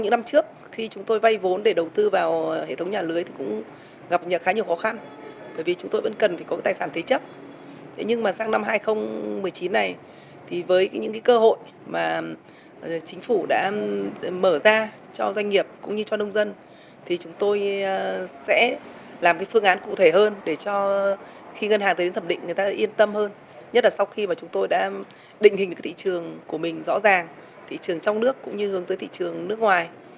đã định hình được thị trường của mình rõ ràng thị trường trong nước cũng như hướng tới thị trường nước ngoài